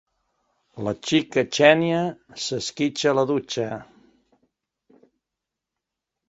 La xica Xènia s'esquitxa a la dutxa.